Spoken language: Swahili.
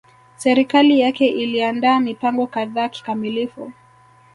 Serikali yake iliandaa mipango kadhaa kikamilifu